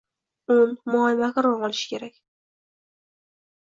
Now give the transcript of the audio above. Un, moy, makaron olishi kerak...